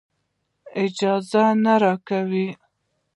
اجازه یې نه راکوله.